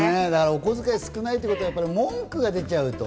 おこづかい使えないということは文句が出ちゃうと。